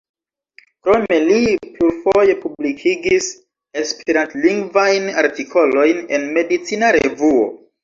Krome li plurfoje publikigis esperantlingvajn artikolojn en Medicina Revuo.